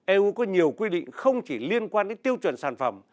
eu có nhiều quy định không chỉ liên quan đến tiêu chuẩn sản phẩm